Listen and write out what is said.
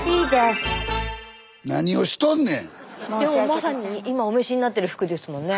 まさに今お召しになってる服ですもんね。